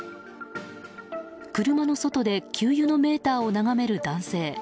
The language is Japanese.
車の外で給油のメーターを眺める男性。